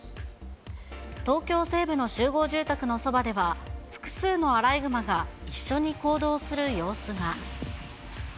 東京西部の集合住宅のそばでは、複数のアライグマが一緒に行動する様子が。